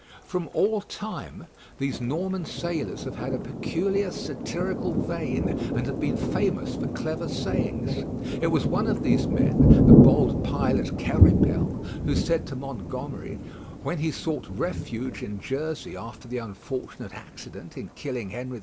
From all time these Norman sailors have had a peculiar satirical vein, and have been famous for clever sayings. It was one of these men, the bold pilot Quéripel, who said to Montgomery, when he sought refuge in Jersey after the unfortunate accident in killing Henry II.